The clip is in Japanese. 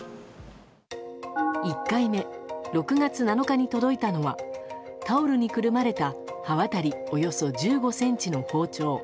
１回目、６月７日に届いたのはタオルにくるまれた刃渡りおよそ１５ｃｍの包丁。